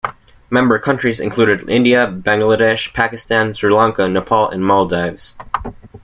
Member countries included India, Bangladesh, Pakistan, Sri Lanka, Nepal and Maldives.